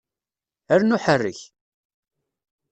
Rnu ḥerrek!